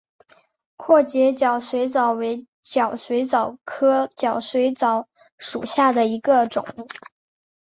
阔节角水蚤为角水蚤科角水蚤属下的一个种。